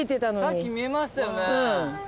さっき見えましたよね。